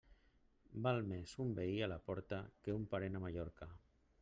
Val més un veí a la porta que un parent a Mallorca.